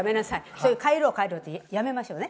そういう「帰ろう帰ろう」ってやめましょうね。